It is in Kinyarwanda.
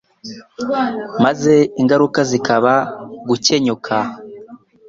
maze ingaruka zikaba gukenyuka.